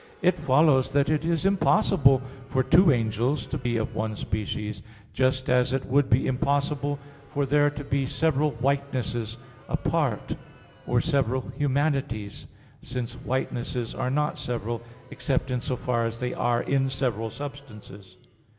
2), it follows that it is impossible for two angels to be of one species; just as it would be impossible for there to be several whitenesses apart, or several humanities, since whitenesses are not several, except in so far as they are in several substances.